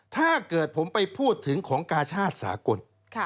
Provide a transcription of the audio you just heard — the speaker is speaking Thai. ถ้าเกิดผมไปพูดถึงของกาชาติสากล